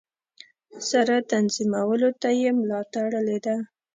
سره تنظیمولو ته یې ملا تړلې ده.